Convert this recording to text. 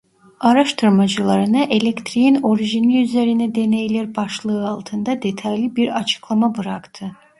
Araştırmacılarına "Elektriğin Orijini Üzerine Deneyler" başlığı altında detaylı bir açıklama bıraktı.